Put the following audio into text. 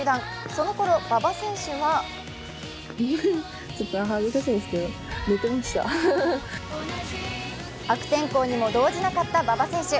そのころ、馬場選手は悪天候にも動じなかった馬場選手。